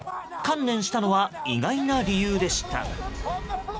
観念したのは意外な理由でした。